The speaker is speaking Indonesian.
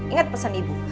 ingat pesen ibu